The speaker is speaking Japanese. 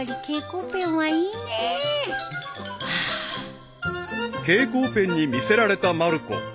［蛍光ペンに魅せられたまる子］